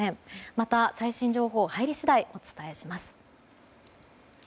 また、最新情報が入り次第お伝えします。